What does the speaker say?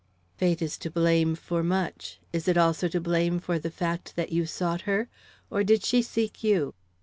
"Fate is to blame for much; is it also to blame for the fact that you sought her? Or did she seek you?"